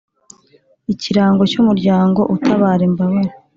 ikirango cy umuryango utabara imbabare